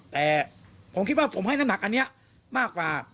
แต่ผมคิดว่าผมให้น้ำหนักอันนี้มากกว่า